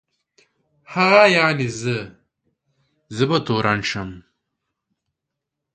هغه یعني زه، زه به تورن شم.